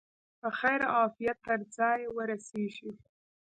په خیر او عافیت تر ځایه ورسیږي.